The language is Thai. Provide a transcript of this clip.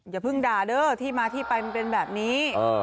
อย่าเพิ่งด่าเด้อที่มาที่ไปมันเป็นแบบนี้